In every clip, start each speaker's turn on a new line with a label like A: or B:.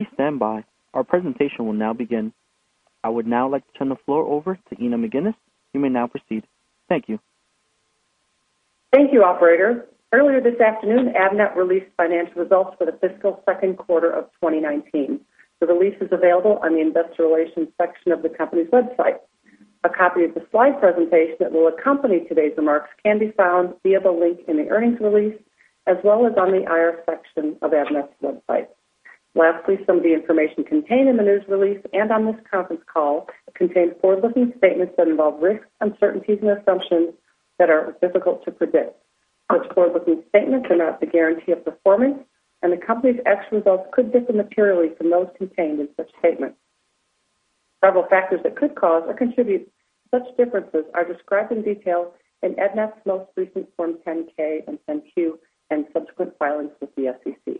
A: Please stand by. Our presentation will now begin. I would now like to turn the floor over to Nina McGinnis. You may now proceed. Thank you.
B: Thank you, operator. Earlier this afternoon, Avnet released financial results for the fiscal second quarter of 2019. The release is available on the investor relations section of the company's website. A copy of the slide presentation that will accompany today's remarks can be found via the link in the earnings release, as well as on the IR section of Avnet's website. Lastly, some of the information contained in the news release and on this conference call contains forward-looking statements that involve risks, uncertainties and assumptions that are difficult to predict. Such forward-looking statements are not the guarantee of performance, and the company's actual results could differ materially from those contained in such statements. Several factors that could cause or contribute such differences are described in detail in Avnet's most recent Form 10-K and 10-Q, and subsequent filings with the SEC.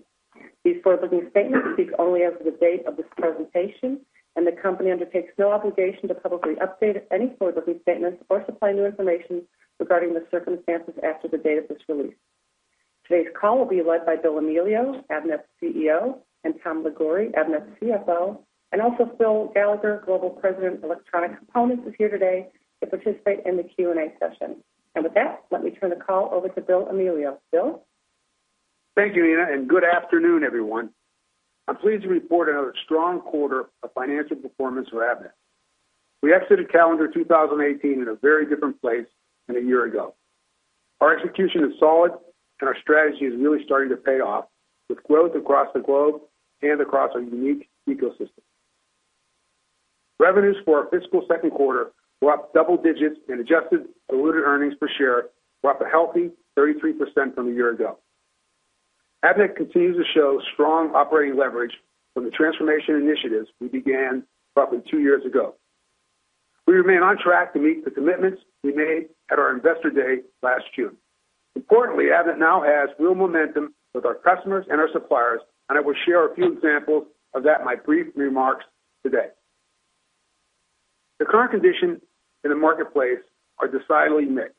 B: These forward-looking statements speak only as of the date of this presentation, and the company undertakes no obligation to publicly update any forward-looking statements or supply new information regarding the circumstances after the date of this release. Today's call will be led by Bill Amelio, Avnet's CEO, and Tom Liguori, Avnet's CFO, and also Phil Gallagher, Global President, Electronic Components, is here today to participate in the Q&A session. With that, let me turn the call over to Bill Amelio. Bill?
C: Thank you, Nina, and good afternoon, everyone. I'm pleased to report another strong quarter of financial performance for Avnet. We exited calendar 2018 in a very different place than a year ago. Our execution is solid, and our strategy is really starting to pay off, with growth across the globe and across our unique ecosystem. Revenues for our fiscal second quarter were up double digits, and adjusted diluted earnings per share were up a healthy 33% from a year ago. Avnet continues to show strong operating leverage from the transformation initiatives we began roughly 2 years ago. We remain on track to meet the commitments we made at our Investor Day last June. Importantly, Avnet now has real momentum with our customers and our suppliers, and I will share a few examples of that in my brief remarks today. The current conditions in the marketplace are decidedly mixed.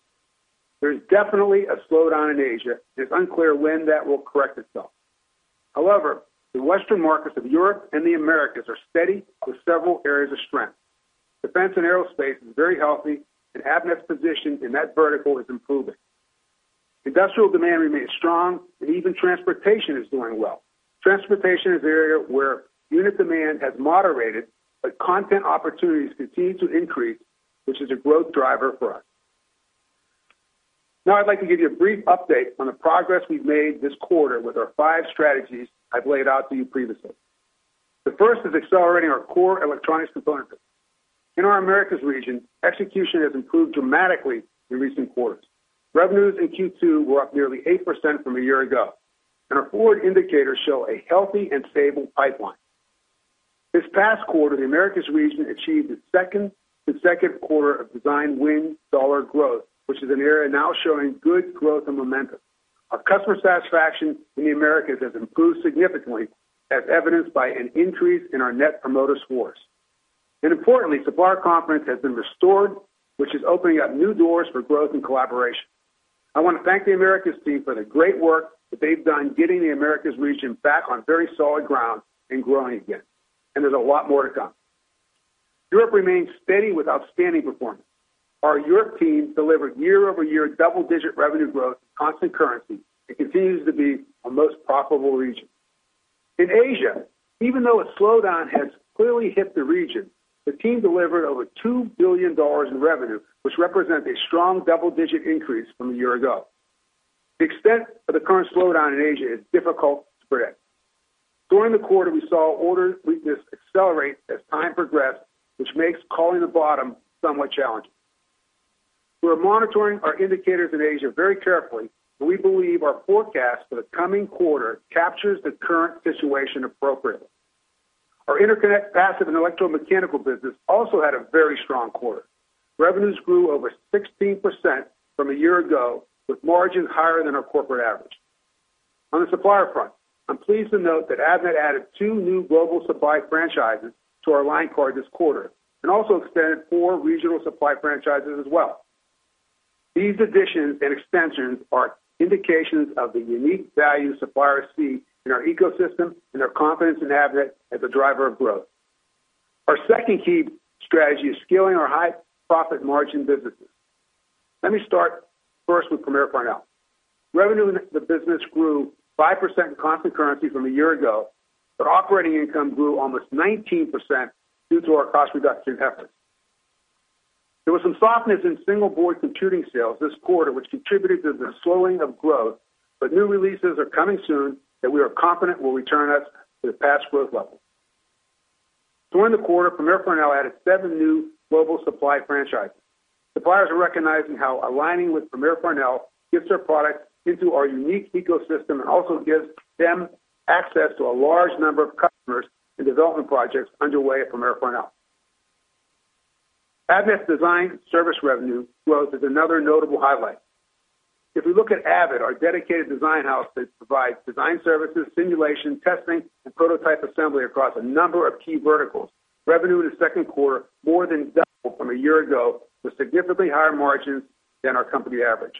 C: There is definitely a slowdown in Asia, and it's unclear when that will correct itself. However, the Western markets of Europe and the Americas are steady with several areas of strength. Defense and aerospace is very healthy, and Avnet's position in that vertical is improving. Industrial demand remains strong, and even transportation is doing well. Transportation is an area where unit demand has moderated, but content opportunities continue to increase, which is a growth driver for us. Now, I'd like to give you a brief update on the progress we've made this quarter with our five strategies I've laid out to you previously. The first is accelerating our core electronics components. In our Americas region, execution has improved dramatically in recent quarters. Revenues in Q2 were up nearly 8% from a year ago, and our forward indicators show a healthy and stable pipeline. This past quarter, the Americas region achieved its second quarter of design win dollar growth, which is an area now showing good growth and momentum. Our customer satisfaction in the Americas has improved significantly, as evidenced by an increase in our Net Promoter Scores. Importantly, supplier confidence has been restored, which is opening up new doors for growth and collaboration. I want to thank the Americas team for the great work that they've done getting the Americas region back on very solid ground and growing again, and there's a lot more to come. Europe remains steady with outstanding performance. Our Europe team delivered year-over-year double-digit revenue growth, constant currency, and continues to be our most profitable region. In Asia, even though a slowdown has clearly hit the region, the team delivered over $2 billion in revenue, which represents a strong double-digit increase from a year ago. The extent of the current slowdown in Asia is difficult to predict. During the quarter, we saw order weakness accelerate as time progressed, which makes calling the bottom somewhat challenging. We are monitoring our indicators in Asia very carefully, and we believe our forecast for the coming quarter captures the current situation appropriately. Our interconnect, passive and electromechanical business also had a very strong quarter. Revenues grew over 16% from a year ago, with margins higher than our corporate average. On the supplier front, I'm pleased to note that Avnet added 2 new global supply franchises to our line card this quarter and also extended 4 regional supply franchises as well. These additions and extensions are indications of the unique value suppliers see in our ecosystem and their confidence in Avnet as a driver of growth. Our second key strategy is scaling our high profit margin businesses. Let me start first with Premier Farnell. Revenue in the business grew 5% in constant currency from a year ago, but operating income grew almost 19% due to our cost reduction efforts. There was some softness in single-board computing sales this quarter, which contributed to the slowing of growth, but new releases are coming soon that we are confident will return us to the past growth levels. During the quarter, Premier Farnell added seven new global supply franchises. Suppliers are recognizing how aligning with Premier Farnell gets their products into our unique ecosystem and also gives them access to a large number of customers and development projects underway at Premier Farnell. Avnet's design service revenue growth is another notable highlight. If we look at AVID, our dedicated design house that provides design services, simulation, testing, and prototype assembly across a number of key verticals, revenue in the second quarter more than doubled from a year ago, with significantly higher margins than our company average.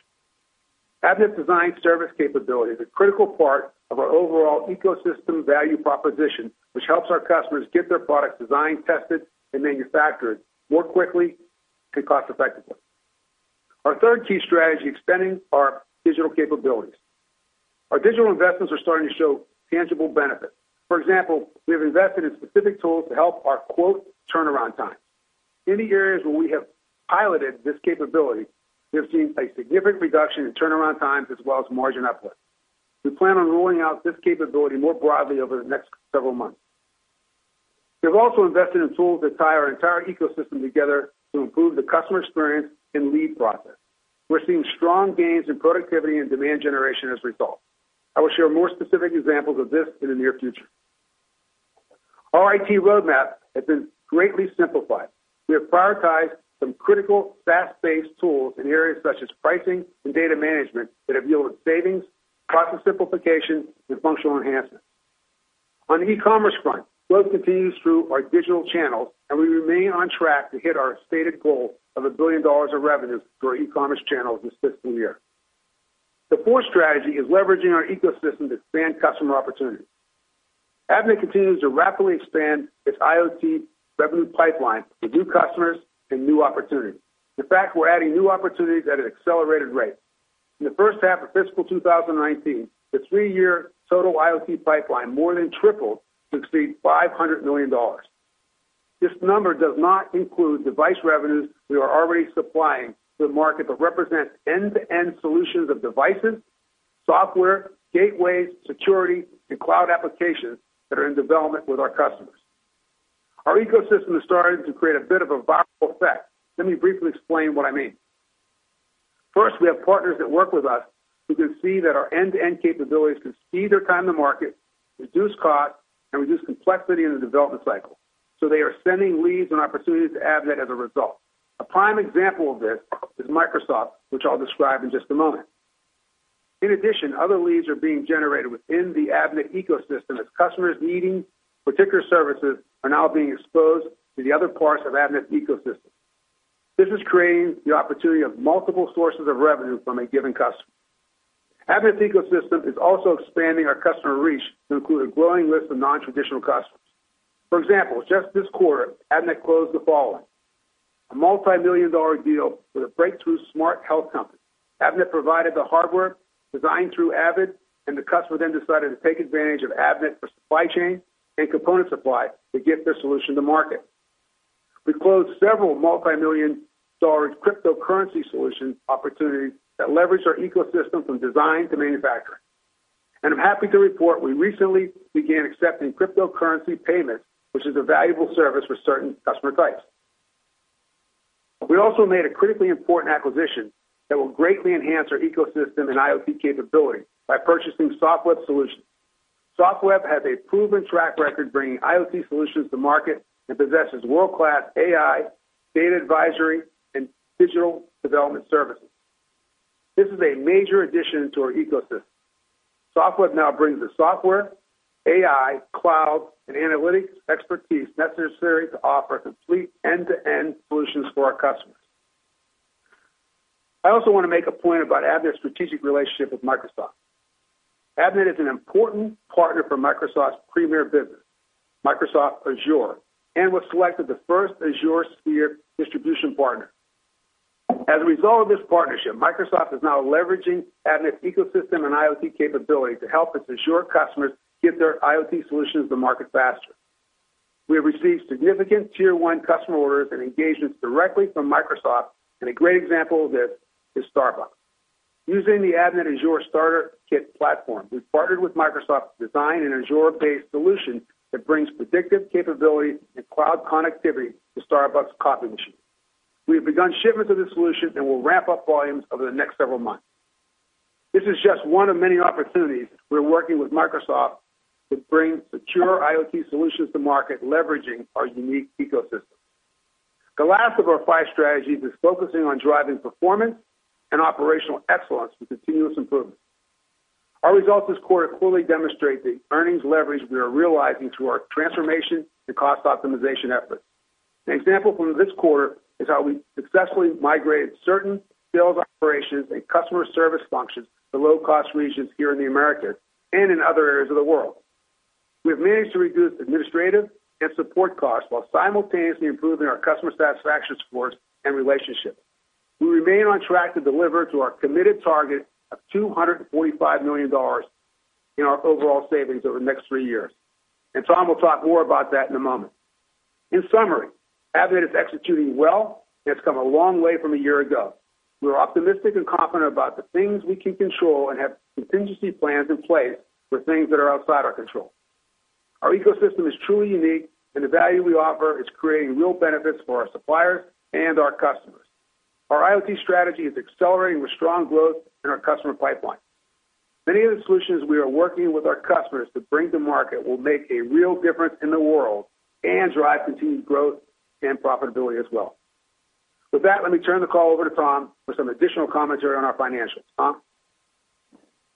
C: Avnet's design service capability is a critical part of our overall ecosystem value proposition, which helps our customers get their products designed, tested, and manufactured more quickly and cost effectively. Our third key strategy, extending our digital capabilities. Our digital investments are starting to show tangible benefits. For example, we have invested in specific tools to help our quote turnaround time. In the areas where we have piloted this capability, we have seen a significant reduction in turnaround times as well as margin uplift. We plan on rolling out this capability more broadly over the next several months. We have also invested in tools that tie our entire ecosystem together to improve the customer experience and lead process. We're seeing strong gains in productivity and demand generation as a result. I will share more specific examples of this in the near future. Our IT roadmap has been greatly simplified. We have prioritized some critical SaaS-based tools in areas such as pricing and data management that have yielded savings, process simplification, and functional enhancements. On the e-commerce front, growth continues through our digital channels, and we remain on track to hit our stated goal of $1 billion of revenue through our e-commerce channel this fiscal year. The fourth strategy is leveraging our ecosystem to expand customer opportunities. Avnet continues to rapidly expand its IoT revenue pipeline to new customers and new opportunities. In fact, we're adding new opportunities at an accelerated rate. In the first half of fiscal 2019, the 3-year total IoT pipeline more than tripled to exceed $500 million. This number does not include device revenues we are already supplying to the market that represent end-to-end solutions of devices, software, gateways, security, and cloud applications that are in development with our customers. Our ecosystem is starting to create a bit of a viral effect. Let me briefly explain what I mean. First, we have partners that work with us who can see that our end-to-end capabilities can speed their time to market, reduce cost, and reduce complexity in the development cycle, so they are sending leads and opportunities to Avnet as a result. A prime example of this is Microsoft, which I'll describe in just a moment. In addition, other leads are being generated within the Avnet ecosystem as customers needing particular services are now being exposed to the other parts of Avnet's ecosystem. This is creating the opportunity of multiple sources of revenue from a given customer. Avnet's ecosystem is also expanding our customer reach to include a growing list of nontraditional customers. For example, just this quarter, Avnet closed the following: a $multimillion-dollar deal with a breakthrough smart health company. Avnet provided the hardware designed through Avid, and the customer then decided to take advantage of Avnet for supply chain and component supply to get their solution to market. We've closed several $multimillion-dollar cryptocurrency solution opportunities that leverage our ecosystem from design to manufacturing. I'm happy to report we recently began accepting cryptocurrency payments, which is a valuable service for certain customer types. We also made a critically important acquisition that will greatly enhance our ecosystem and IoT capability by purchasing Softweb Solutions. Softweb has a proven track record bringing IoT solutions to market and possesses world-class AI, data advisory, and digital development services. This is a major addition to our ecosystem. Softweb now brings the software, AI, cloud, and analytics expertise necessary to offer complete end-to-end solutions for our customers. I also want to make a point about Avnet's strategic relationship with Microsoft. Avnet is an important partner for Microsoft's premier business, Microsoft Azure, and was selected the first Azure Sphere distribution partner. As a result of this partnership, Microsoft is now leveraging Avnet's ecosystem and IoT capability to help its Azure customers get their IoT solutions to market faster. We have received significant tier one customer orders and engagements directly from Microsoft, and a great example of this is Starbucks. Using the Avnet Azure Starter Kit platform, we've partnered with Microsoft to design an Azure-based solution that brings predictive capability and cloud connectivity to Starbucks coffee machines. We have begun shipments of this solution and will ramp up volumes over the next several months. This is just one of many opportunities we're working with Microsoft to bring secure IoT solutions to market, leveraging our unique ecosystem. The last of our five strategies is focusing on driving performance and operational excellence with continuous improvement. Our results this quarter clearly demonstrate the earnings leverage we are realizing through our transformation and cost optimization efforts. An example from this quarter is how we successfully migrated certain sales operations and customer service functions to low-cost regions here in the Americas and in other areas of the world. We have managed to reduce administrative and support costs while simultaneously improving our customer satisfaction scores and relationships. We remain on track to deliver to our committed target of $245 million in our overall savings over the next three years, and Tom will talk more about that in a moment. In summary, Avnet is executing well and has come a long way from a year ago. We're optimistic and confident about the things we can control and have contingency plans in place for things that are outside our control. Our ecosystem is truly unique, and the value we offer is creating real benefits for our suppliers and our customers. Our IoT strategy is accelerating with strong growth in our customer pipeline. Many of the solutions we are working with our customers to bring to market will make a real difference in the world and drive continued growth and profitability as well. With that, let me turn the call over to Tom for some additional commentary on our financials. Tom?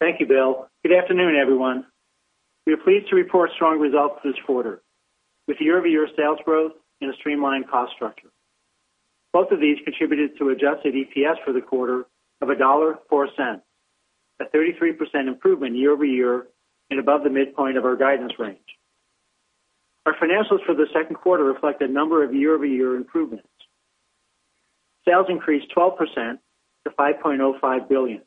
D: Thank you, Bill. Good afternoon, everyone. We are pleased to report strong results this quarter, with year-over-year sales growth and a streamlined cost structure. Both of these contributed to adjusted EPS for the quarter of $1.04, a 33% improvement year-over-year and above the midpoint of our guidance range. Our financials for the second quarter reflect a number of year-over-year improvements. Sales increased 12% to $5.05 billion.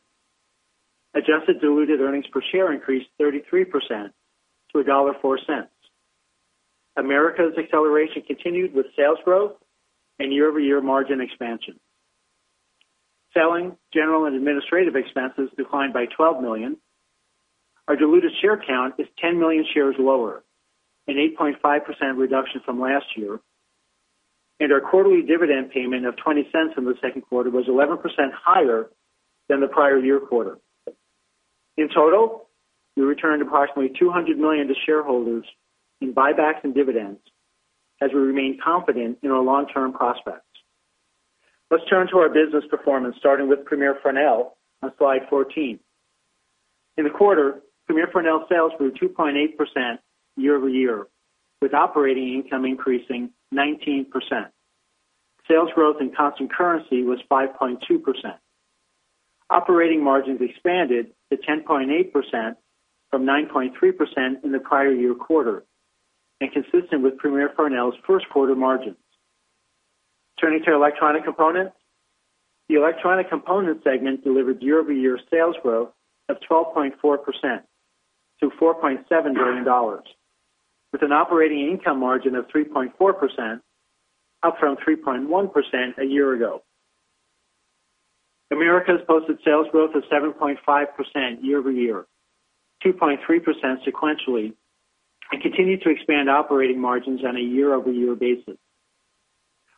D: Adjusted diluted earnings per share increased 33% to $1.04. Americas acceleration continued with sales growth and year-over-year margin expansion. Selling, general and administrative expenses declined by $12 million. Our diluted share count is 10 million shares lower, an 8.5% reduction from last year, and our quarterly dividend payment of $0.20 in the second quarter was 11% higher than the prior year quarter. In total, we returned approximately $200 million to shareholders in buybacks and dividends as we remain confident in our long-term prospects. Let's turn to our business performance, starting with Premier Farnell on slide 14. In the quarter, Premier Farnell sales grew 2.8% year-over-year, with operating income increasing 19%. Sales growth in constant currency was 5.2%. Operating margins expanded to 10.8% from 9.3% in the prior year quarter and consistent with Premier Farnell's first quarter margins. Turning to electronic components. The electronic components segment delivered year-over-year sales growth of 12.4% to $4.7 billion, with an operating income margin of 3.4%, up from 3.1% a year ago. Americas posted sales growth of 7.5% year-over-year, 2.3% sequentially, and continued to expand operating margins on a year-over-year basis.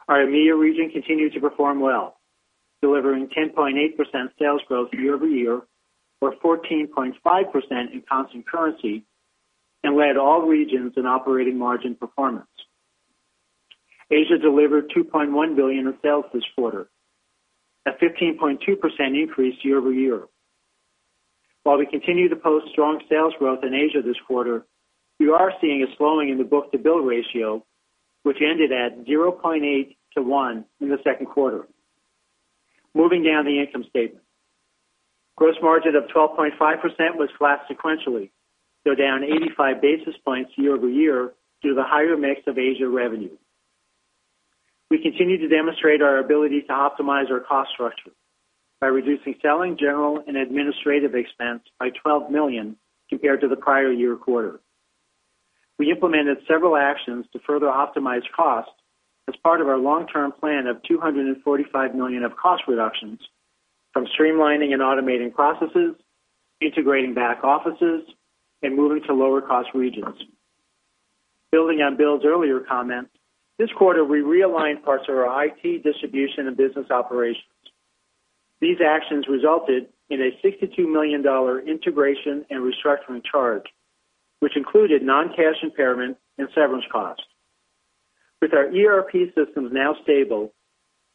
D: Our EMEA region continued to perform well, delivering 10.8% sales growth year-over-year, or 14.5% in constant currency, and led all regions in operating margin performance. Asia delivered $2.1 billion in sales this quarter, a 15.2% increase year-over-year. While we continue to post strong sales growth in Asia this quarter, we are seeing a slowing in the book-to-bill ratio, which ended at 0.8 to 1 in the second quarter. Moving down the income statement. Gross margin of 12.5% was flat sequentially, though down 85 basis points year-over-year due to the higher mix of Asia revenue. We continue to demonstrate our ability to optimize our cost structure by reducing selling, general, and administrative expense by $12 million compared to the prior year quarter. We implemented several actions to further optimize costs as part of our long-term plan of $245 million of cost reductions from streamlining and automating processes, integrating back offices, and moving to lower cost regions. Building on Bill's earlier comments, this quarter we realigned parts of our IT, distribution, and business operations. These actions resulted in a $62 million integration and restructuring charge, which included non-cash impairment and severance costs. With our ERP systems now stable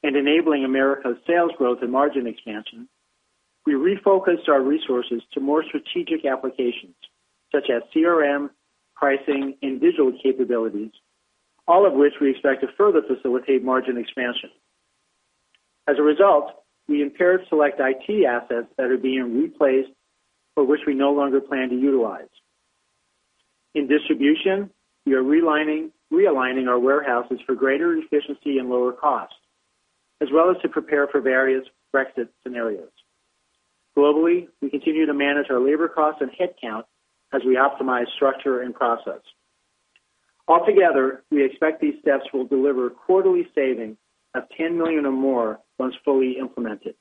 D: and enabling Americas' sales growth and margin expansion, we refocused our resources to more strategic applications such as CRM, pricing, and digital capabilities, all of which we expect to further facilitate margin expansion. As a result, we impaired select IT assets that are being replaced or which we no longer plan to utilize. In distribution, we are realigning our warehouses for greater efficiency and lower costs, as well as to prepare for various Brexit scenarios. Globally, we continue to manage our labor costs and headcount as we optimize structure and process. Altogether, we expect these steps will deliver quarterly savings of $10 million or more once fully implemented.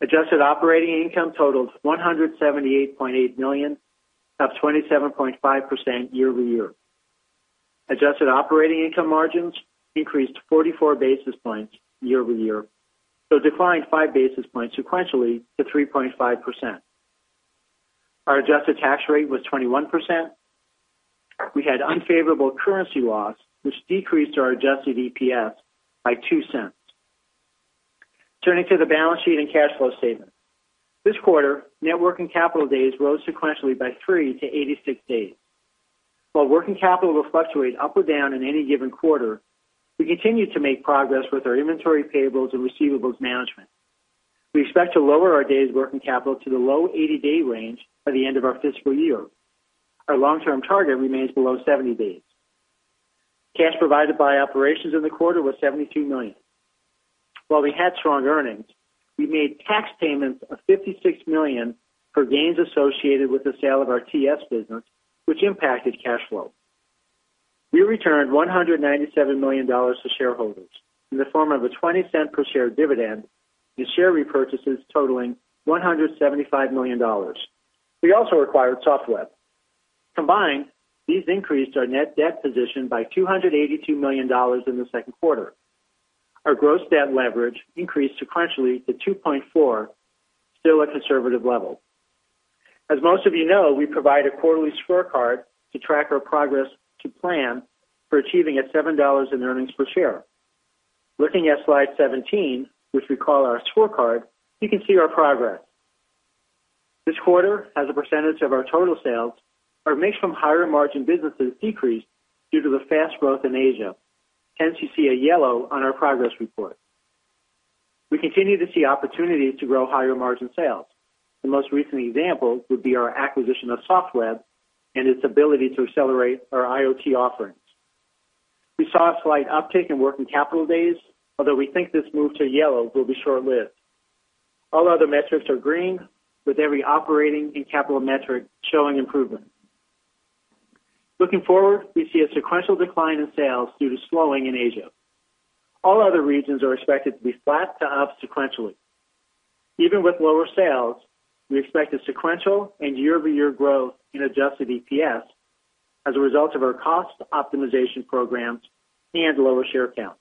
D: Adjusted operating income totaled $178.8 million, up 27.5% year-over-year. Adjusted operating income margins increased 44 basis points year-over-year, though declined 5 basis points sequentially to 3.5%. Our adjusted tax rate was 21%. We had unfavorable currency loss, which decreased our adjusted EPS by $0.02. Turning to the balance sheet and cash flow statement. This quarter, net working capital days rose sequentially by 3 to 86 days. While working capital will fluctuate up or down in any given quarter, we continue to make progress with our inventory payables and receivables management. We expect to lower our days working capital to the low 80-day range by the end of our fiscal year. Our long-term target remains below 70 days. Cash provided by operations in the quarter was $72 million. While we had strong earnings, we made tax payments of $56 million for gains associated with the sale of our TS business, which impacted cash flow. We returned $197 million to shareholders in the form of a $0.20 per share dividend and share repurchases totaling $175 million. We also acquired Softweb. Combined, these increased our net debt position by $282 million in the second quarter. Our gross debt leverage increased sequentially to 2.4, still a conservative level. As most of you know, we provide a quarterly scorecard to track our progress to plan for achieving a $7 in earnings per share. Looking at slide 17, which we call our scorecard, you can see our progress. This quarter, as a percentage of our total sales, are mixed from higher margin businesses decreased due to the fast growth in Asia. Hence, you see a yellow on our progress report. We continue to see opportunities to grow higher margin sales. The most recent example would be our acquisition of Softweb and its ability to accelerate our IoT offerings. We saw a slight uptick in working capital days, although we think this move to yellow will be short-lived. All other metrics are green, with every operating and capital metric showing improvement. Looking forward, we see a sequential decline in sales due to slowing in Asia. All other regions are expected to be flat to up sequentially. Even with lower sales, we expect a sequential and year-over-year growth in adjusted EPS as a result of our cost optimization programs and lower share count.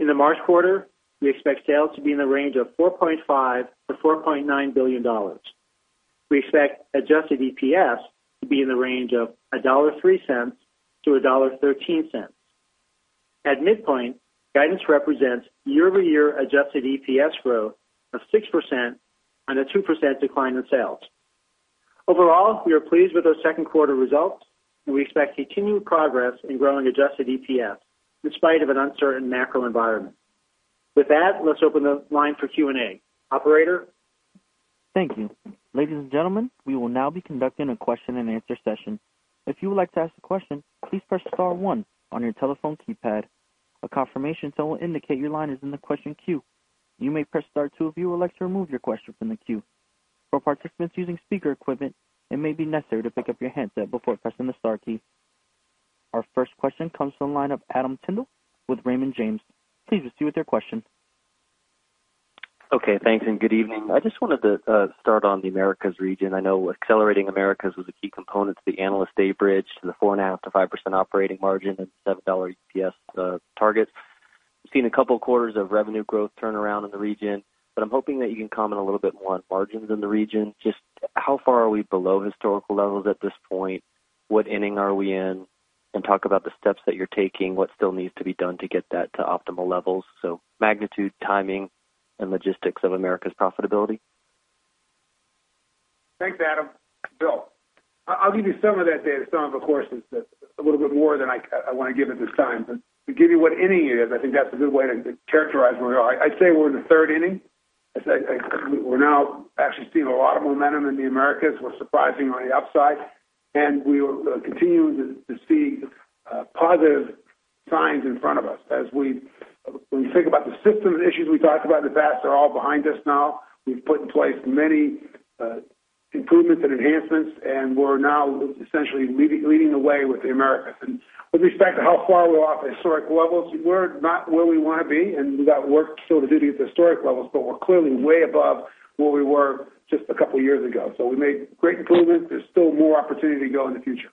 D: In the March quarter, we expect sales to be in the range of $4.5 billion-$4.9 billion. We expect adjusted EPS to be in the range of $1.03-$1.13. At midpoint, guidance represents year-over-year adjusted EPS growth of 6% on a 2% decline in sales. Overall, we are pleased with our second quarter results, and we expect continued progress in growing adjusted EPS in spite of an uncertain macro environment. With that, let's open the line for Q&A. Operator?
A: Thank you. Ladies and gentlemen, we will now be conducting a question-and-answer session. If you would like to ask a question, please press star one on your telephone keypad. A confirmation tone will indicate your line is in the question queue. You may press star two if you would like to remove your question from the queue. For participants using speaker equipment, it may be necessary to pick up your handset before pressing the star key. Our first question comes from the line of Adam Tindle with Raymond James. Please proceed with your question.
E: Okay, thanks, and good evening. I just wanted to start on the Americas region. I know accelerating Americas was a key component to the Analyst Day bridge, to the 4.5%-5% operating margin and $7 EPS targets. We've seen a couple of quarters of revenue growth turnaround in the region, but I'm hoping that you can comment a little bit more on margins in the region. Just how far are we below historical levels at this point? What inning are we in? And talk about the steps that you're taking, what still needs to be done to get that to optimal levels. So magnitude, timing, and logistics of America's profitability.
C: Thanks, Adam. Bill, I'll give you some of that data. Some, of course, is a little bit more than I want to give it this time, but to give you what inning it is, I think that's a good way to characterize where we are. I'd say we're in the third inning. I'd say we're now actually seeing a lot of momentum in the Americas. We're surprising on the upside, and we will continue to see positive signs in front of us. When we think about the system issues we talked about in the past, are all behind us now. We've put in place many improvements and enhancements, and we're now essentially leading the way with the Americas. With respect to how far we're off historic levels, we're not where we want to be, and we've got work still to do to get the historic levels, but we're clearly way above where we were just a couple of years ago. So we made great improvements. There's still more opportunity to go in the future.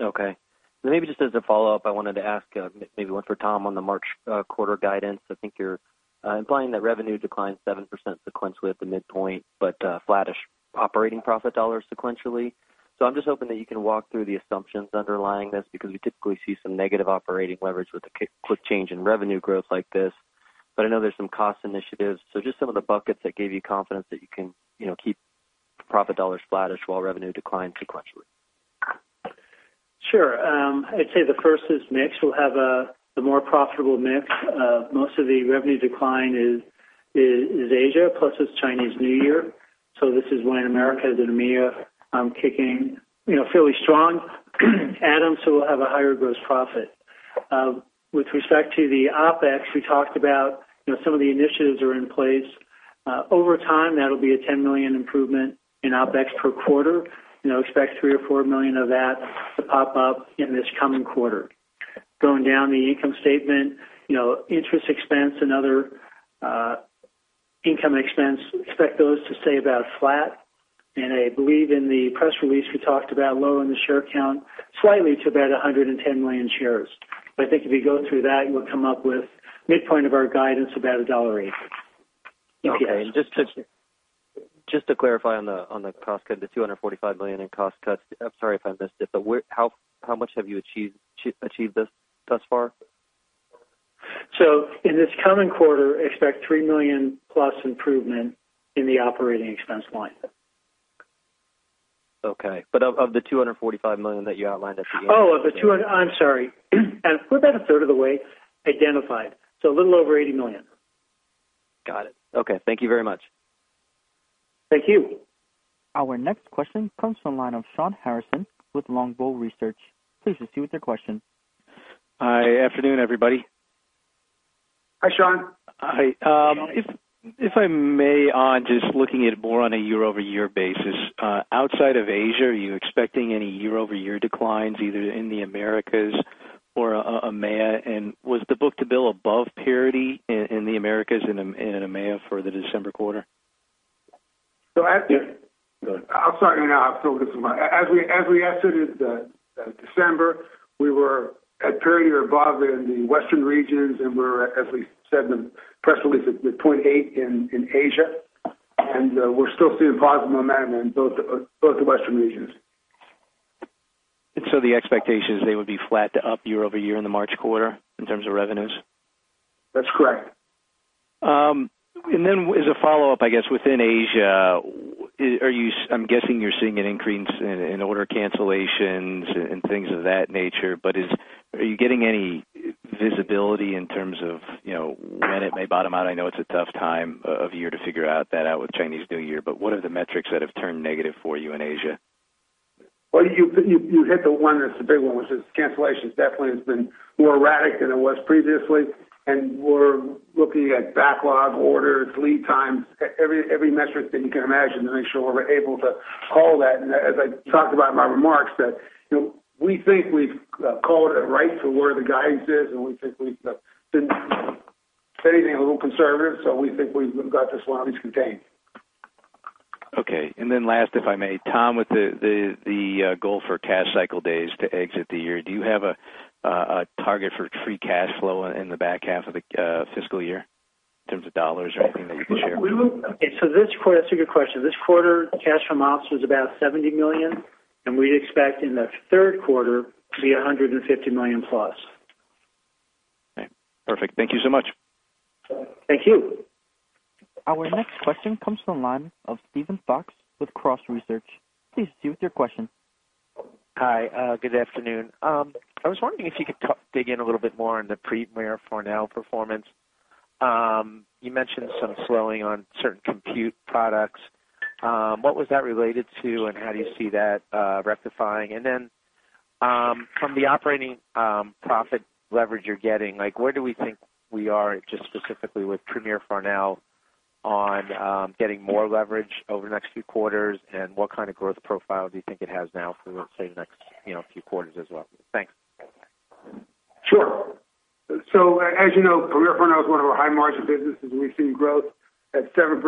E: Okay. Maybe just as a follow-up, I wanted to ask, maybe one for Tom on the March quarter guidance. I think you're implying that revenue declined 7% sequentially at the midpoint, but flattish operating profit dollars sequentially. So I'm just hoping that you can walk through the assumptions underlying this, because we typically see some negative operating leverage with a quick change in revenue growth like this. But I know there's some cost initiatives. So just some of the buckets that give you confidence that you can, you know, keep the profit dollars flattish while revenue declines sequentially.
D: Sure. I'd say the first is mix. We'll have the more profitable mix. Most of the revenue decline is Asia, plus it's Chinese New Year. So this is why in Americas, the EMEA, kicking, you know, fairly strong. Adam, so we'll have a higher gross profit. With respect to the OpEx, we talked about, you know, some of the initiatives are in place. Over time, that'll be a $10 million improvement in OpEx per quarter. You know, expect $3 million or $4 million of that to pop up in this coming quarter. Going down the income statement, you know, interest expense and other, income expense, expect those to stay about flat. And I believe in the press release, we talked about lowering the share count slightly to about 110 million shares. But I think if you go through that, you'll come up with midpoint of our guidance, about $1.80.
E: Okay. And just to clarify on the cost cut, the $245 million in cost cuts. I'm sorry if I missed it, but where, how much have you achieved this thus far?
D: In this coming quarter, expect $3 million+ improvement in the operating expense line.
E: Okay. But of the $245 million that you outlined at the-
D: Oh, of the two... I'm sorry. We're about a third of the way identified, so a little over $80+ million.
E: Got it. Okay. Thank you very much.
D: Thank you.
A: Our next question comes from the line of Sean Harrison with Longbow Research. Please proceed with your question.
F: Hi, afternoon, everybody.
C: Hi, Sean.
F: Hi. If I may, on just looking at more on a year-over-year basis, outside of Asia, are you expecting any year-over-year declines, either in the Americas or EMEA? And was the book-to-bill above parity in the Americas and in EMEA for the December quarter?
C: So as-
D: Yeah. Go ahead.
C: I'm sorry. As we, as we exited December, we were at parity or above in the western regions, and we're, as we said in the press release, at 0.8 in Asia, and we're still seeing positive momentum in both the western regions.
F: ...And so the expectations, they would be flat to up year-over-year in the March quarter in terms of revenues?
C: That's correct.
F: And then as a follow-up, I guess, within Asia, are you—I'm guessing you're seeing an increase in order cancellations and things of that nature, but is—are you getting any visibility in terms of, you know, when it may bottom out? I know it's a tough time of year to figure that out with Chinese New Year, but what are the metrics that have turned negative for you in Asia?
C: Well, you hit the one that's the big one, which is cancellations. Definitely has been more erratic than it was previously, and we're looking at backlog orders, lead times, every metric that you can imagine to make sure we're able to call that. And as I talked about in my remarks, that, you know, we think we've called it right to where the guidance is, and we think we've been anything a little conservative, so we think we've got this one at least contained.
F: Okay. And then last, if I may, Tom, with the goal for cash cycle days to exit the year, do you have a target for free cash flow in the back half of the fiscal year in terms of dollars or anything that you can share?
D: This quarter—that's a good question. This quarter, cash from ops was about $70 million, and we expect in the third quarter to be $150 million plus.
F: Okay, perfect. Thank you so much.
D: Thank you.
A: Our next question comes from the line of Steven Fox with Cross Research. Please proceed with your question.
G: Hi, good afternoon. I was wondering if you could dig in a little bit more on the Premier Farnell performance. You mentioned some slowing on certain compute products. What was that related to, and how do you see that rectifying? And then, from the operating profit leverage you're getting, like, where do we think we are just specifically with Premier Farnell on getting more leverage over the next few quarters? And what kind of growth profile do you think it has now for, let's say, the next, you know, few quarters as well? Thanks.
C: Sure. So as you know, Premier Farnell is one of our high margin businesses, and we've seen growth at 7%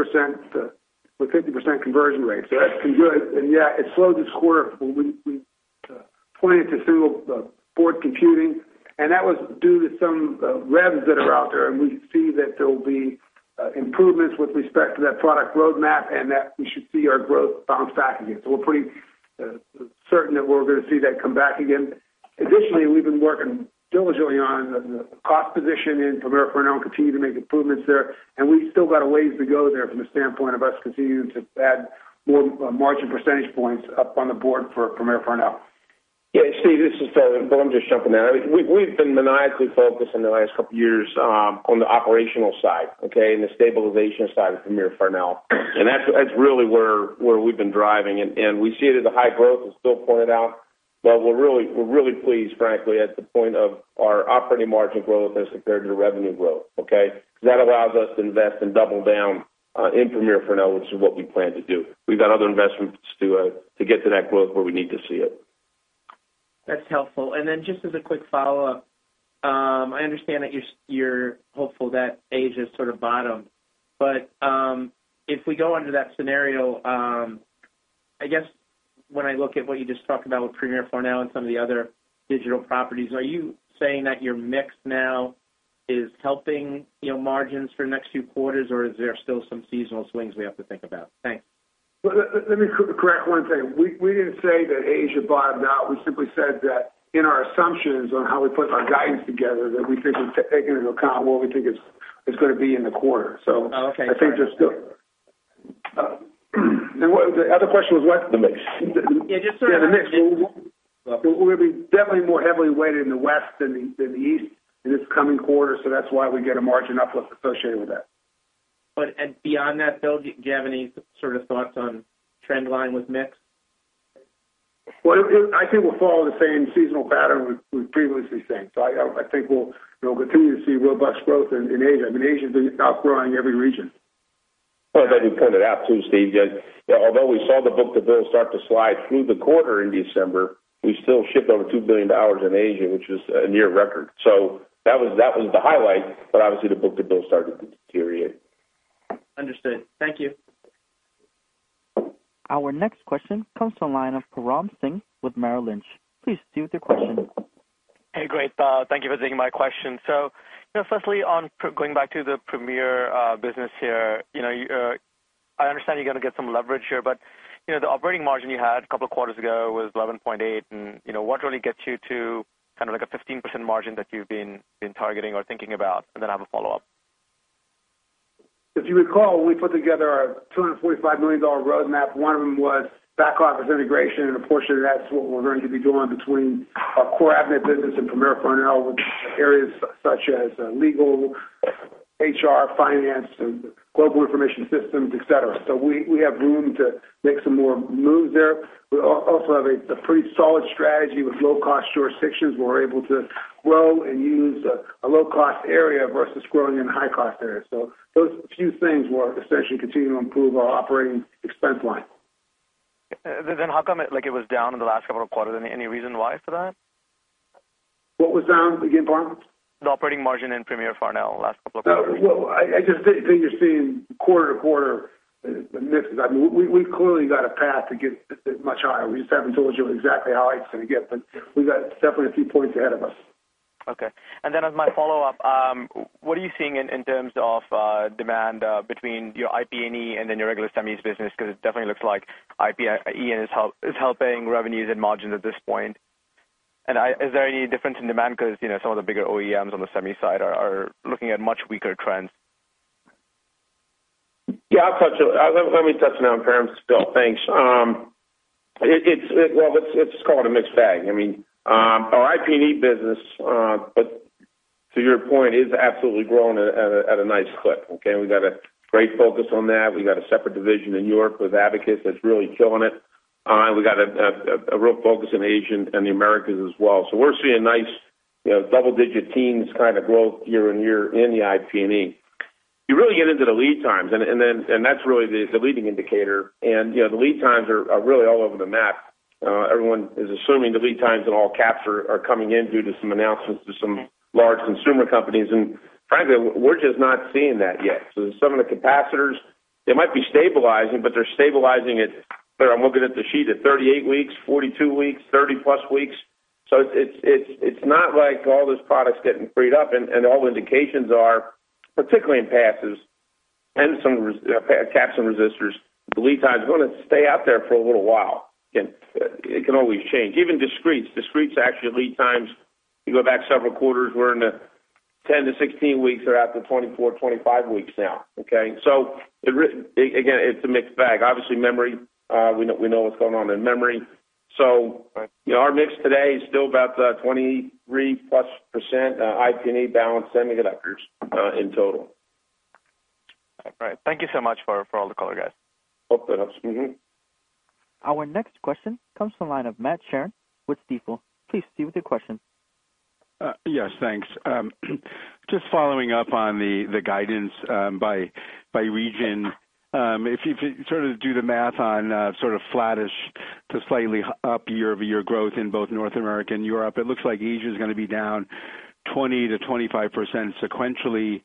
C: with 50 conversion rate. So that's pretty good. Yeah, it slowed this quarter. We pointed to single board computing, and that was due to some revs that are out there, and we see that there will be improvements with respect to that product roadmap, and that we should see our growth bounce back again. So we're pretty certain that we're going to see that come back again. Additionally, we've been working diligently on the cost position in Premier Farnell and continue to make improvements there, and we've still got a ways to go there from the standpoint of us continuing to add more margin percentage points up on the board for Premier Farnell.
H: Yeah, Steve, this is Bill. I'm just jumping in. I mean, we've been maniacally focused in the last couple of years on the operational side, okay, and the stabilization side of Premier Farnell, and that's really where we've been driving, and we see it as a high growth is still pointed out. But we're really pleased, frankly, at the point of our operating margin growth as compared to the revenue growth, okay? Because that allows us to invest and double down in Premier Farnell, which is what we plan to do. We've got other investments to get to that growth where we need to see it.
G: That's helpful. And then just as a quick follow-up, I understand that you're hopeful that Asia has sort of bottomed, but if we go under that scenario, I guess when I look at what you just talked about with Premier Farnell and some of the other digital properties, are you saying that your mix now is helping, you know, margins for the next few quarters, or is there still some seasonal swings we have to think about? Thanks.
C: Well, let me correct one thing. We didn't say that Asia bottomed out. We simply said that in our assumptions on how we put our guidance together, that we think we've taken into account what we think is going to be in the quarter.
G: Oh, okay.
C: I think just to... the other question was what?
H: The mix.
G: Yeah, just sort of-
C: Yeah, the mix. We're going to be definitely more heavily weighted in the West than the East in this coming quarter, so that's why we get a margin uplift associated with that.
G: And beyond that, Bill, do you have any sort of thoughts on trend line with mix?
C: Well, I think we'll follow the same seasonal pattern we've previously seen. So I think we'll, you know, continue to see robust growth in Asia. I mean, Asia's been outgrowing every region.
H: Well, let me point it out too, Steve, that although we saw the book-to-bill start to slide through the quarter in December, we still shipped over $2 billion in Asia, which is a near record. So that was, that was the highlight. But obviously, the book-to-bill started to deteriorate.
G: Understood. Thank you.
A: Our next question comes from the line of Param Singh with Merrill Lynch. Please proceed with your question.
F: Hey, great. Thank you for taking my question. So, you know, firstly, on going back to the Premier business here, you know, I understand you're going to get some leverage here, but, you know, the operating margin you had a couple of quarters ago was 11.8, and, you know, what really gets you to kind of like a 15% margin that you've been targeting or thinking about? And then I have a follow-up.
C: If you recall, we put together a $245 million roadmap. One of them was back office integration, and a portion of that's what we're going to be doing between our core Avnet business and Premier Farnell, with areas such as legal, HR, finance, and global information systems, et cetera. So we have room to make some more moves there. We also have a pretty solid strategy with low-cost jurisdictions. We're able to grow and use a low-cost area versus growing in high-cost areas. So those few things will essentially continue to improve our operating expense line.
F: Then how come, like, it was down in the last couple of quarters? Any reason why for that?
C: What was down again, Param?
F: The operating margin in Premier Farnell last couple of quarters.
C: Well, I just think you're seeing quarter-to-quarter misses. I mean, we've clearly got a path to get much higher. We just haven't told you exactly how high it's going to get, but we've got definitely a few points ahead of us.
I: Okay. And then as my follow-up, what are you seeing in terms of demand between your IP&E and then your regular semis business? Because it definitely looks like IP&E is helping revenues and margins at this point. And is there any difference in demand? Because, you know, some of the bigger OEMs on the semi side are looking at much weaker trends.
H: Yeah, I'll touch it. Let me touch it now, Bill. Thanks. It's well, let's call it a mixed bag. I mean, our IP&E business, but to your point, is absolutely growing at a nice clip. Okay, we've got a great focus on that. We've got a separate division in Europe with Abacus that's really killing it. We got a real focus in Asia and the Americas as well. So we're seeing a nice, you know, double-digit teens kind of growth year-on-year in the IP&E. You really get into the lead times, and then that's really the leading indicator. And, you know, the lead times are really all over the map. Everyone is assuming the lead times in all capture are coming in due to some announcements to some large consumer companies, and frankly, we're just not seeing that yet. So some of the capacitors, they might be stabilizing, but they're stabilizing at, I'm looking at the sheet, at 38 weeks, 42 weeks, 30+ weeks. So it's not like all this product's getting freed up, and all indications are, particularly in passives and some resistors, caps and resistors, the lead time is gonna stay out there for a little while, and it can always change. Even discretes, discretes actually lead times, you go back several quarters, we're in the 10-16 weeks or out to 24-25 weeks now, okay? So again, it's a mixed bag. Obviously, memory, we know what's going on in memory. You know, our mix today is still about 23%+, IP&E, balance semiconductors, in total.
I: All right. Thank you so much for all the color, guys.
H: Hope that helps. Mm-hmm.
A: Our next question comes from the line of Matt Sheerin with Stifel. Please proceed with your question.
J: Yes, thanks. Just following up on the guidance by region. If you sort of do the math on sort of flattish to slightly up year-over-year growth in both North America and Europe, it looks like Asia is gonna be down 20%-25% sequentially.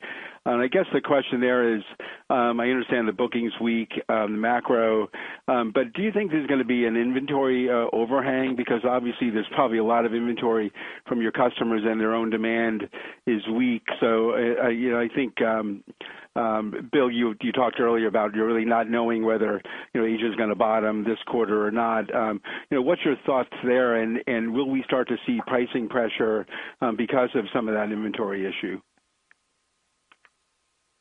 J: I guess the question there is, I understand the bookings weak macro, but do you think there's gonna be an inventory overhang? Because obviously there's probably a lot of inventory from your customers, and their own demand is weak. So, you know, I think, Bill, you talked earlier about you're really not knowing whether, you know, Asia is gonna bottom this quarter or not. You know, what's your thoughts there, and will we start to see pricing pressure because of some of that inventory issue?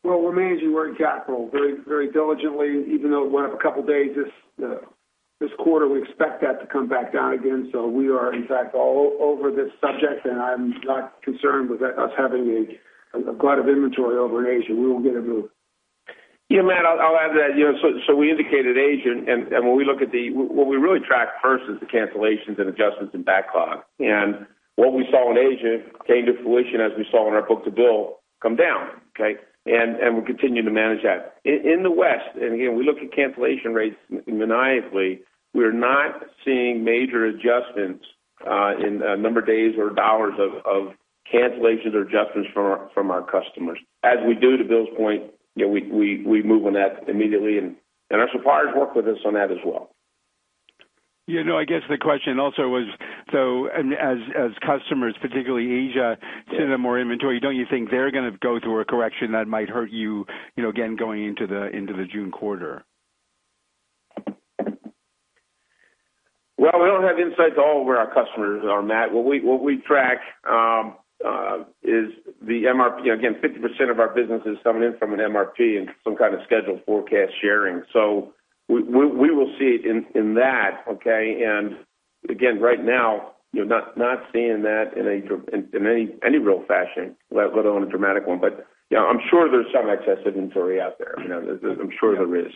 C: Well, we're managing working capital very, very diligently, even though we have a couple of days this, this quarter, we expect that to come back down again. So we are, in fact, all over this subject, and I'm not concerned with us having a glut of inventory over in Asia. We will get a move.
H: Yeah, Matt, I'll, I'll add that. You know, so, so we indicated Asian, and, and when we look at the—what we really track first is the cancellations and adjustments in backlog. And what we saw in Asia came to fruition, as we saw in our book-to-bill, come down, okay? And, and we're continuing to manage that. In, in the West, and again, we look at cancellation rates maniacally, we're not seeing major adjustments, in number of days or dollars of, of cancellations or adjustments from our, from our customers. As we do, to Bill's point, you know, we, we, we move on that immediately, and, and our suppliers work with us on that as well.
J: You know, I guess the question also was, so as customers, particularly Asia, sit in more inventory, don't you think they're gonna go through a correction that might hurt you, you know, again, going into the June quarter?
H: Well, we don't have insights all where our customers are, Matt. What we track is the MRP. Again, 50% of our business is coming in from an MRP and some kind of scheduled forecast sharing. So we will see it in that, okay? And again, right now, you're not seeing that in any real fashion, let alone a dramatic one. But, yeah, I'm sure there's some excess inventory out there. You know, there's, I'm sure there is.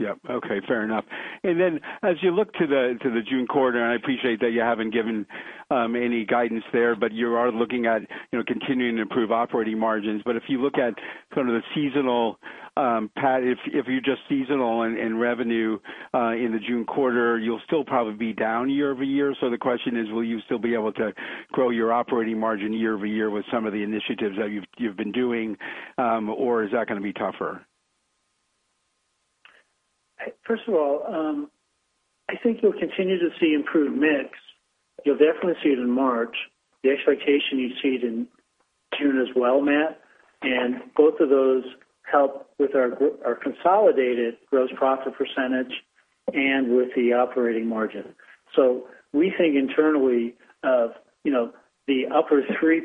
J: Yep. Okay, fair enough. And then as you look to the June quarter, and I appreciate that you haven't given any guidance there, but you are looking at, you know, continuing to improve operating margins. But if you look at sort of the seasonal, Pat, if you're just seasonal in revenue in the June quarter, you'll still probably be down year-over-year. So the question is, will you still be able to grow your operating margin year-over-year with some of the initiatives that you've been doing? Or is that gonna be tougher?
D: First of all, I think you'll continue to see improved mix. You'll definitely see it in March. The expectation you see it in June as well, Matt, and both of those help with our our consolidated gross profit percentage and with the operating margin. So we think internally of, you know, the upper 3%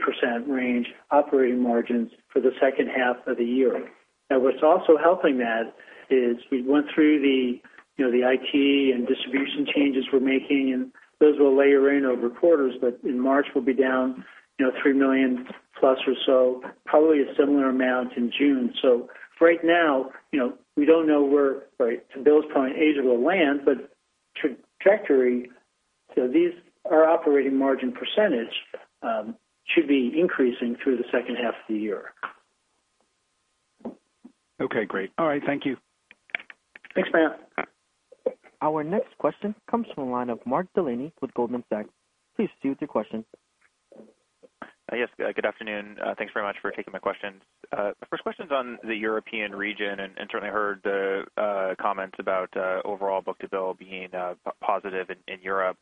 D: range operating margins for the second half of the year. Now, what's also helping that is we went through the, you know, the IT and distribution changes we're making, and those will layer in over quarters, but in March, we'll be down, you know, $3 million plus or so, probably a similar amount in June. So for right now, you know, we don't know where, right, to Bill's point, Asia will land, but trajectory, so these, our operating margin percentage, should be increasing through the second half of the year.
J: Okay, great. All right. Thank you.
C: Thanks, Matt.
A: Our next question comes from the line of Mark Delaney with Goldman Sachs. Please proceed with your question.
I: Yes, good afternoon. Thanks very much for taking my questions. The first question is on the European region, and certainly heard comments about overall book-to-bill being positive in Europe.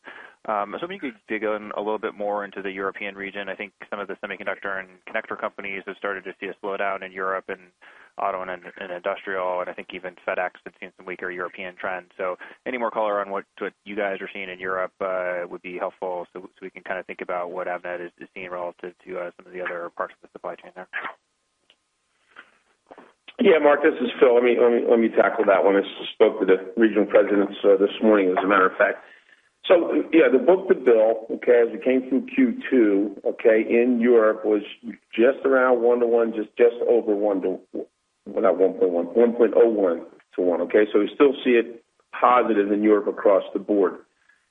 I: So maybe you could dig in a little bit more into the European region. I think some of the semiconductor and connector companies have started to see a slowdown in Europe, and-
K: ...auto and in- and industrial, and I think even FedEx has seen some weaker European trends. So any more color on what you guys are seeing in Europe would be helpful, so we can kind of think about what Avnet is seeing relative to some of the other parts of the supply chain there.
C: Yeah, Mark, this is Phil. Let me tackle that one. I just spoke to the regional presidents this morning, as a matter of fact. So, yeah, the book-to-bill, okay, as it came through Q2, okay, in Europe, was just around 1 to 1, just over 1 to—well, not 1.1, 1.01 to 1, okay? So we still see it positive in Europe across the board.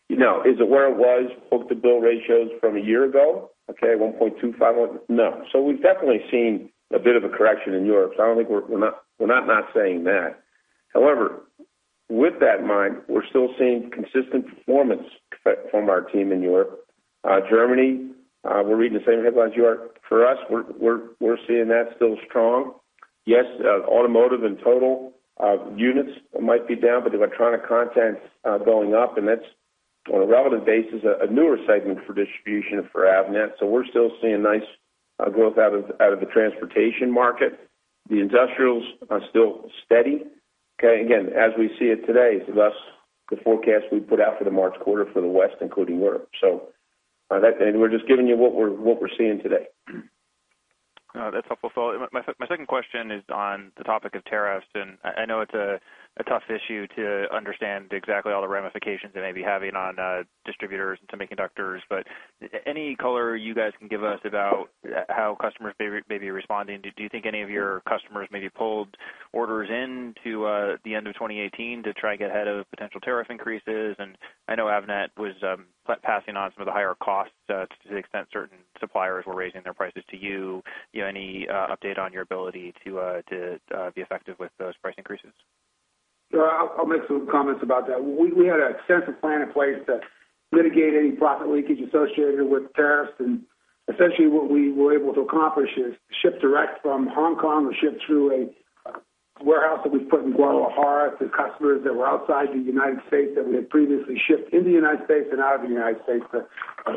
C: You know, is it where it was, book-to-bill ratios from a year ago, okay, 1.251? No. So we've definitely seen a bit of a correction in Europe, so I don't think we're—we're not saying that. However, with that in mind, we're still seeing consistent performance from our team in Europe. Germany, we're reading the same headlines you are. For us, we're seeing that still strong. Yes, automotive in total units might be down, but the electronic content's going up, and that's, on a relevant basis, a newer segment for distribution for Avnet. So we're still seeing nice growth out of the transportation market. The industrials are still steady, okay? Again, as we see it today, thus the forecast we put out for the March quarter for the West, including Europe. So, that - and we're just giving you what we're seeing today.
K: That's helpful, Phil. My second question is on the topic of tariffs, and I know it's a tough issue to understand exactly all the ramifications it may be having on distributors and semiconductors, but any color you guys can give us about how customers may be responding. Do you think any of your customers may have pulled orders in to the end of 2018 to try to get ahead of potential tariff increases? And I know Avnet was passing on some of the higher costs to the extent certain suppliers were raising their prices to you. You know, any update on your ability to be effective with those price increases?
C: Yeah, I'll make some comments about that. We had an extensive plan in place to litigate any profit leakage associated with tariffs, and essentially what we were able to accomplish is ship direct from Hong Kong or ship through a warehouse that we've put in Guadalajara to customers that were outside the United States, that we had previously shipped in the United States and out of the United States, to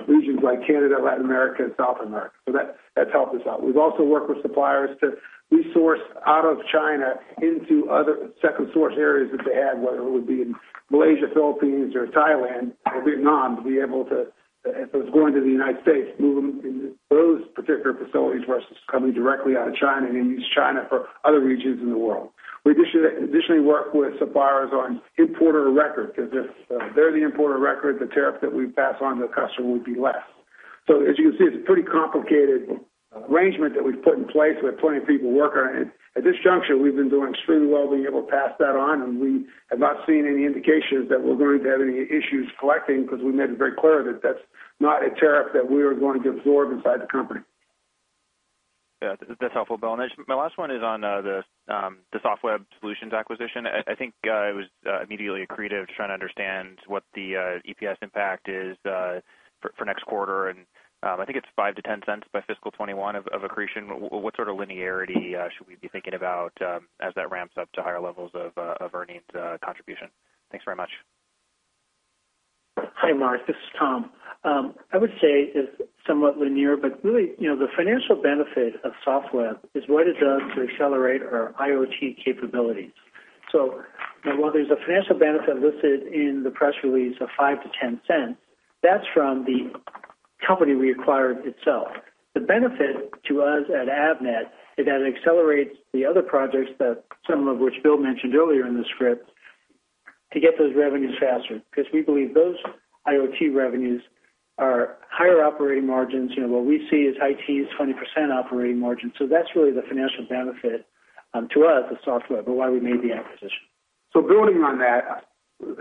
C: regions like Canada, Latin America, and South America. So that's helped us out. We've also worked with suppliers to resource out of China into other second source areas that they had, whether it would be in Malaysia, Philippines or Thailand or Vietnam, to be able to, if it was going to the United States, move them in those particular facilities versus coming directly out of China, and then use China for other regions in the world. We additionally, additionally worked with suppliers on importer of record, because if they're the importer of record, the tariff that we pass on to the customer would be less. So as you can see, it's a pretty complicated arrangement that we've put in place. We have plenty of people working on it. At this juncture, we've been doing extremely well being able to pass that on, and we have not seen any indications that we're going to have any issues collecting, because we made it very clear that that's not a tariff that we are going to absorb inside the company.
K: Yeah, that's helpful, Phil. And my last one is on the Softweb Solutions acquisition. I think it was immediately accretive to trying to understand what the EPS impact is for next quarter, and I think it's $0.05-$0.10 by fiscal 2021 of accretion. What sort of linearity should we be thinking about as that ramps up to higher levels of earnings contribution? Thanks very much.
D: Hi, Mark, this is Tom. I would say it's somewhat linear, but really, you know, the financial benefit of Softweb is what it does to accelerate our IoT capabilities. So while there's a financial benefit listed in the press release of $0.05-$0.10, that's from the company we acquired itself. The benefit to us at Avnet is that it accelerates the other projects that some of which Bill mentioned earlier in the script, to get those revenues faster, because we believe those IoT revenues are higher operating margins. You know, what we see as IoT is 20% operating margin. So that's really the financial benefit to us as Softweb, but why we made the acquisition.
C: So building on that,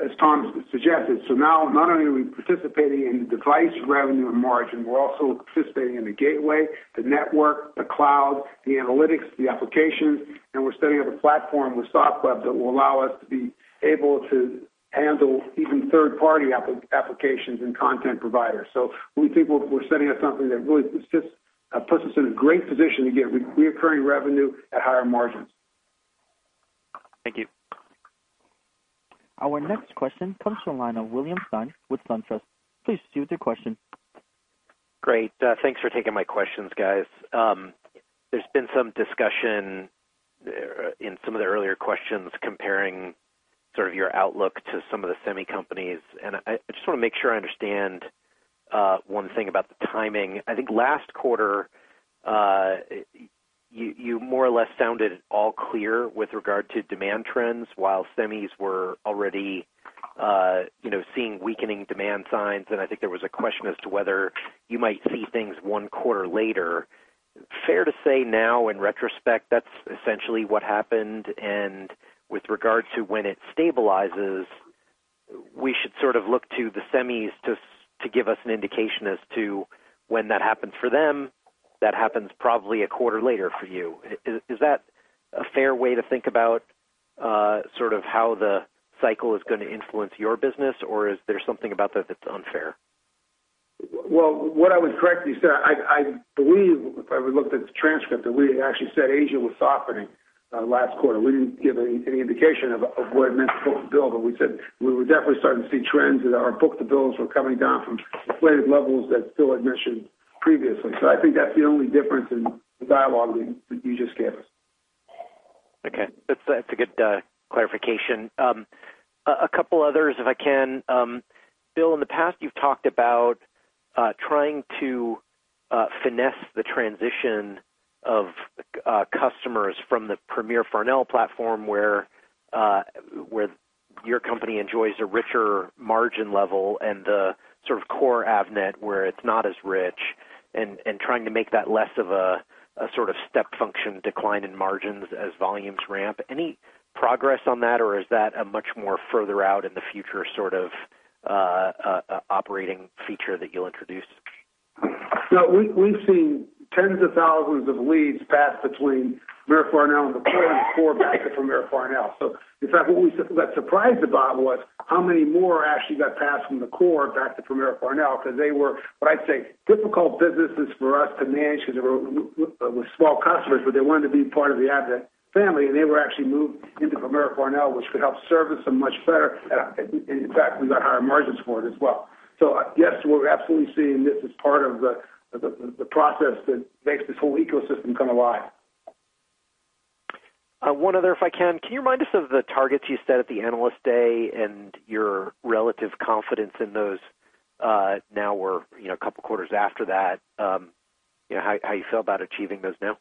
C: as Tom suggested, so now not only are we participating in the device revenue and margin, we're also participating in the gateway, the network, the cloud, the analytics, the applications, and we're setting up a platform with Softweb that will allow us to be able to handle even third-party applications and content providers. So we think we're setting up something that really just puts us in a great position to get recurring revenue at higher margins.
K: Thank you.
A: Our next question comes from the line of William Stein with SunTrust. Please proceed with your question.
L: Great. Thanks for taking my questions, guys. There's been some discussion in some of the earlier questions comparing sort of your outlook to some of the semi companies, and I just want to make sure I understand one thing about the timing. I think last quarter, you more or less sounded all clear with regard to demand trends, while semis were already you know, seeing weakening demand signs, and I think there was a question as to whether you might see things one quarter later. Fair to say now in retrospect, that's essentially what happened, and with regard to when it stabilizes, we should sort of look to the semis to give us an indication as to when that happens for them, that happens probably a quarter later for you. Is that a fair way to think about sort of how the cycle is going to influence your business, or is there something about that that's unfair?
C: Well, what I would correctly say, I believe if I would looked at the transcript, that we had actually said Asia was softening last quarter. We didn't give any indication of what it meant to book-to-bill, but we said we were definitely starting to see trends that our book-to-bills were coming down from inflated levels that Bill had mentioned previously. So I think that's the only difference in the dialogue that you just gave us....
L: Okay, that's a good clarification. A couple others, if I can. Bill, in the past, you've talked about trying to finesse the transition of customers from the Premier Farnell platform, where your company enjoys a richer margin level and the sort of core Avnet, where it's not as rich, and trying to make that less of a sort of step function decline in margins as volumes ramp. Any progress on that, or is that a much more further out in the future, sort of operating feature that you'll introduce?
C: No, we, we've seen tens of thousands of leads pass between Premier Farnell and the core, and the core back to Premier Farnell. So in fact, what we—what surprised us, Bob, was how many more actually got passed from the core back to Premier Farnell, because they were, what I'd say, difficult businesses for us to manage because they were small customers, but they wanted to be part of the Avnet family, and they were actually moved into Premier Farnell, which could help service them much better. And in fact, we got higher margins for it as well. So yes, we're absolutely seeing this as part of the process that makes this whole ecosystem come alive.
L: One other, if I can. Can you remind us of the targets you set at the Analyst Day and your relative confidence in those, now we're, you know, a couple of quarters after that, you know, how you feel about achieving those now?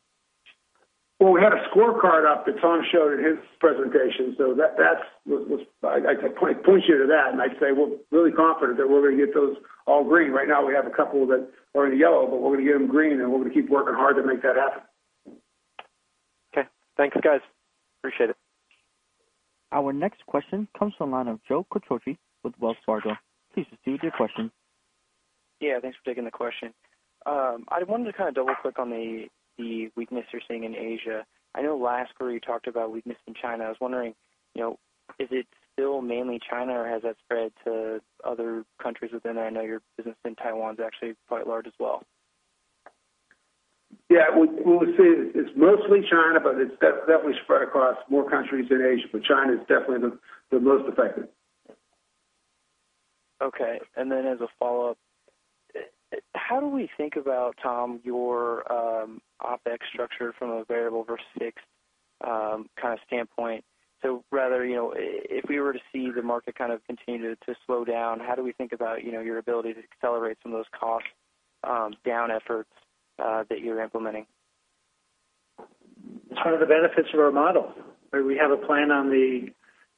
C: Well, we had a scorecard up that Tom showed in his presentation, so that's what I point you to that, and I'd say we're really confident that we're going to get those all green. Right now, we have a couple that are in the yellow, but we're going to get them green, and we're going to keep working hard to make that happen.
L: Okay. Thanks, guys. Appreciate it.
A: Our next question comes from the line of Joe Quatrochi with Wells Fargo. Please proceed with your question.
M: Yeah, thanks for taking the question. I wanted to double-click on the weakness you're seeing in Asia. I know last quarter you talked about weakness in China. I was wondering, you know, is it still mainly China, or has that spread to other countries within there? I know your business in Taiwan is actually quite large as well.
C: Yeah, we would say it's mostly China, but it's definitely spread across more countries in Asia, but China is definitely the most affected.
M: Okay. As a follow-up, how do we think about, Tom, your OpEx structure from a variable versus fixed kind of standpoint? Rather, you know, if we were to see the market kind of continue to slow down, how do we think about, you know, your ability to accelerate some of those cost down efforts that you're implementing?
D: It's one of the benefits of our model. We have a plan on the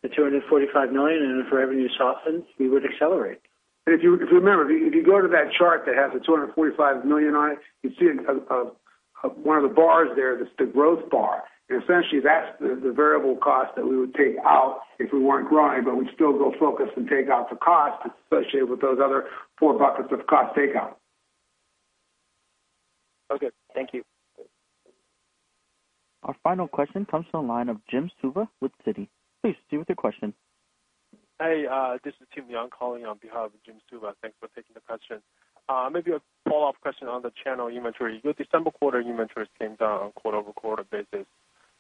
D: $245 million, and if revenue softens, we would accelerate.
C: If you, if you remember, if you go to that chart that has the $245 million on it, you see one of the bars there, that's the growth bar. Essentially, that's the variable cost that we would take out if we weren't growing, but we'd still go focus and take out the cost, especially with those other four buckets of cost takeout.
M: Okay. Thank you.
A: Our final question comes from the line of Jim Suva with Citi. Please proceed with your question.
N: Hey, this is Tim Yang calling on behalf of Jim Suva. Thanks for taking the question. Maybe a follow-up question on the channel inventory. Your December quarter inventory came down on a quarter-over-quarter basis,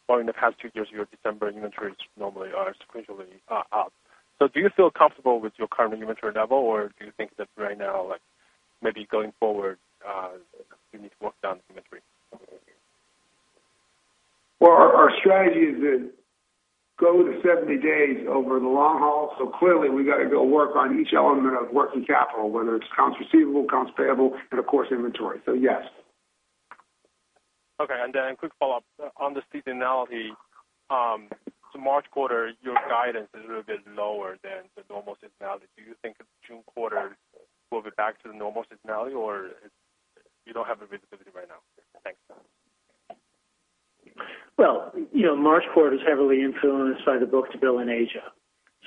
N: while in the past two years, your December inventories normally are sequentially up. So do you feel comfortable with your current inventory level, or do you think that right now, like, maybe going forward, you need to work down the inventory?
C: Well, our strategy is to go to 70 days over the long haul, so clearly, we got to go work on each element of working capital, whether it's accounts receivable, accounts payable, and of course, inventory. So, yes.
N: Okay. And then a quick follow-up. On the seasonality, to March quarter, your guidance is a little bit lower than the normal seasonality. Do you think the June quarter will be back to the normal seasonality, or you don't have the visibility right now? Thanks.
D: Well, you know, March quarter is heavily influenced by the book-to-bill in Asia.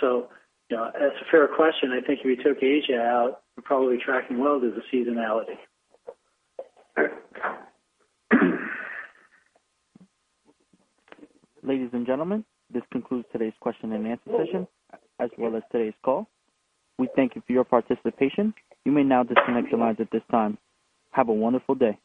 D: So you know, that's a fair question. I think if you took Asia out, we're probably tracking well with the seasonality.
A: Ladies and gentlemen, this concludes today's question and answer session, as well as today's call. We thank you for your participation. You may now disconnect your lines at this time. Have a wonderful day.